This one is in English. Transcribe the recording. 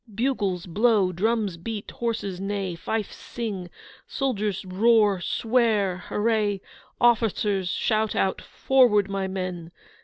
bugles blow; drums beat; horses neigh; fifes sing; soldiers roar, swear, hurray; officers shout out 'Forward, my men!